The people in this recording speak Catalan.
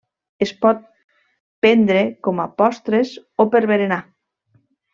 Es pot prendre com a postres o per berenar.